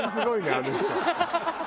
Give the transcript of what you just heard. あの人。